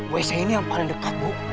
wc ini yang paling dekat bu